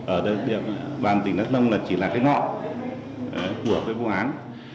ở địa bàn tỉnh đắk nông là chỉ là cái ngọn của cái vụ án